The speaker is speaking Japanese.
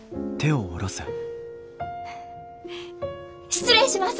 失礼します！